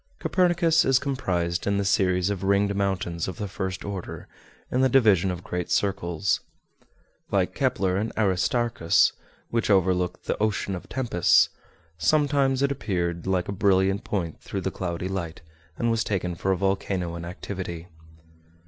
Copernicus is comprised in the series of ringed mountains of the first order, in the division of great circles. Like Kepler and Aristarchus, which overlook the "Ocean of Tempests," sometimes it appeared like a brilliant point through the cloudy light, and was taken for a volcano in activity.